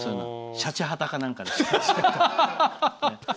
シャチハタかなんかで。